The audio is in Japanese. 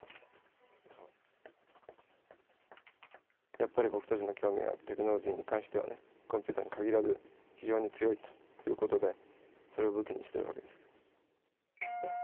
やっぱり僕たちの興味はテクノロジーに関してはねコンピューターに限らず非常に強いということでそれを武器にしてるわけです。